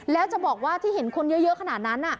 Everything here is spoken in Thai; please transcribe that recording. แล้วจะบอกว่าที่เห็นคนเยอะขนาดนั้น